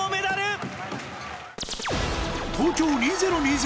・東京２０２０